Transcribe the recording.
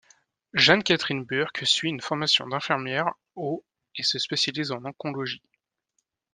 Jane Catherine Burke suit une formation d'infirmière au et se spécialise en oncologie.